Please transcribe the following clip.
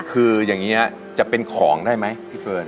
คืออย่างนี้จะเป็นของได้ไหมพี่เฟิร์น